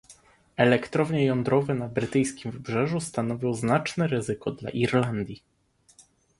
Elektrownie jądrowe na brytyjskim wybrzeżu stanowią znaczne ryzyko dla Irlandii